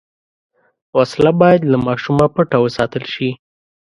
وسله باید له ماشومه پټه وساتل شي